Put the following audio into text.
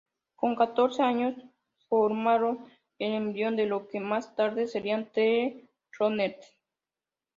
Con catorce años formaron el embrión de lo que más tarde serían The Ronettes.